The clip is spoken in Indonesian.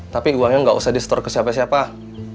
tapi uangnya gak usah di store ke siapa donated